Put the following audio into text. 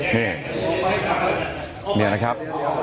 เนี่ยนะครับ